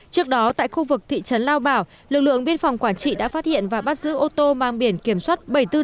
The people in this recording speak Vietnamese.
trước đó tại khu vực thị trấn lao bảo lực lượng biên phòng quảng trị đã phát hiện và bắt giữ ô tô mang biển kiểm soát bảy mươi bốn d tám mươi bốn